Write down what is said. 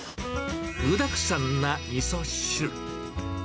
具だくさんなみそ汁。